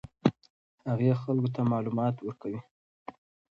هغې خلکو ته معلومات ورکوي.